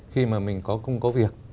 khi mà mình cũng có việc